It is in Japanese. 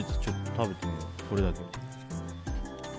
食べてみよう、これだけ。